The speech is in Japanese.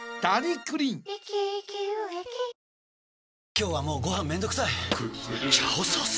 今日はもうご飯めんどくさい「炒ソース」！？